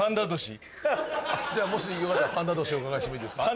もしよかったらパンダ歳お伺いしてもいいですか？